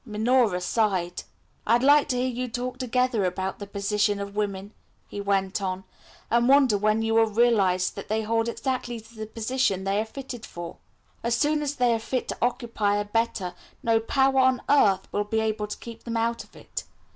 Minora sighed. "I like to hear you talk together about the position of women," he went on, "and wonder when you will realise that they hold exactly the position they are fitted for. As soon as they are fit to occupy a better, no power on earth will be able to keep them out of it.